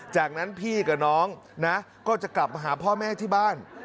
จากนั้นพี่กับน้องนะก็จะกลับมาหาพ่อแม่ที่บ้าน